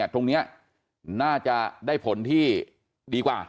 ตรงนี้น่าจะได้ผลที่ดีกว่า